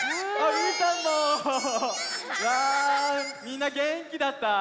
わあみんなげんきだった？